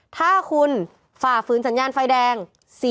ถ้าคุณฝ่าฝืนสัญญาณไฟแดง